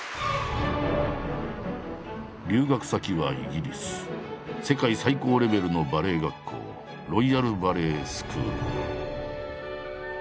留学先はイギリス世界最高レベルのバレエ学校ロイヤル・バレエスクール。